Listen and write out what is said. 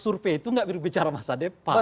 survei itu nggak berbicara masa depan